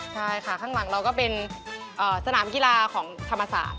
ใช่ค่ะข้างหลังเราก็เป็นสนามกีฬาของธรรมศาสตร์